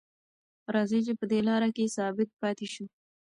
راځئ چې په دې لاره کې ثابت پاتې شو.